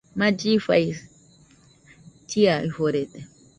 Mallifai chiaforede